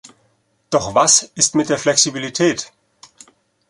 Doch was ist mit der Flexibilität?